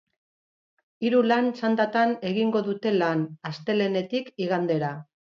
Hiru lan txandatan egingo dute lan, astelehenetik igandera.